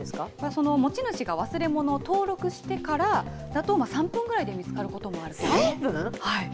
その持ち主が忘れ物を登録してからだと、３分ぐらいで見つか３分？